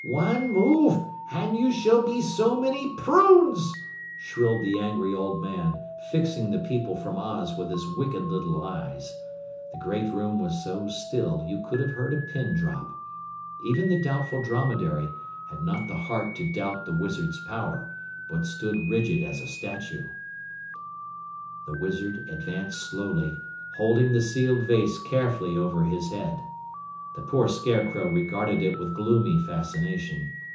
"One move and you shall be so many prunes," shrilled the angry old man, fixing the people from Oz with his wicked little eyes. The great room was so still you could have heard a pin drop. Even the Doubtful Dromedary had not the heart to doubt the wizard's power, but stood rigid as a statue. The wizard advanced slowly, holding the sealed vase carefully over his head. The poor Scarecrow regarded it with gloomy fascination.